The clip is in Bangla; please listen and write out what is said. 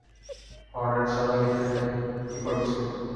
হরনেট শালায় এই ট্রেনে কী করছে?